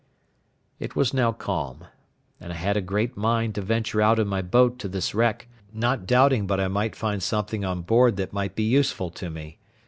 It was now calm, and I had a great mind to venture out in my boat to this wreck, not doubting but I might find something on board that might be useful to me.